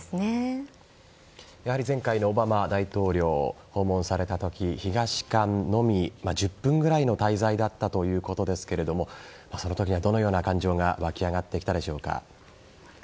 やはり前回オバマ大統領が訪問された時東館のみ１０分くらいの滞在だったということですがその時はどのような感情が湧き上がってきたでしょうか。